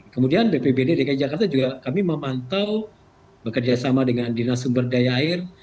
kemudian bpbd dki jakarta juga kami memantau bekerjasama dengan dinas sumber daya air